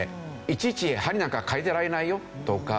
いちいち針なんか替えてられないよとか。